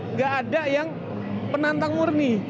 nggak ada yang penantang murni